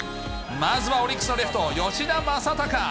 まずはオリックスのレフト、吉田正尚。